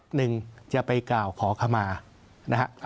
หนึ่งจะไปกล่าวขอคำมา